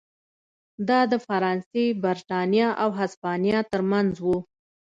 دا د فرانسې، برېټانیا او هسپانیا ترمنځ و.